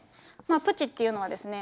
プチっていうのはですね